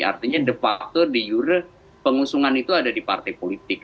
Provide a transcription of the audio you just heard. artinya debator di yurus pengusungan itu ada di partai politik